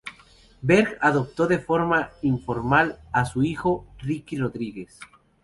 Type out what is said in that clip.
Berg adoptó de forma informal a su hijo, Ricky Rodríguez.